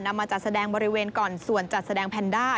มาจัดแสดงบริเวณก่อนส่วนจัดแสดงแพนด้า